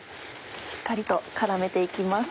しっかりと絡めて行きます。